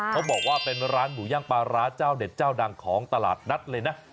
เขาบอกว่าเป็นร้านหมูย่างปลาร้าเจ้าเด็ดเจ้าดังของตลาดนัดเลยนะ